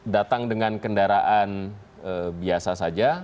datang dengan kendaraan biasa saja